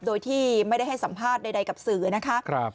โดยที่ไม่ได้ให้สัมภาษณ์ใดกับสื่อนะคะ